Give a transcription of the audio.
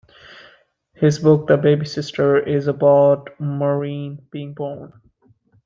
His book "The Baby Sister" is about Maureen being born.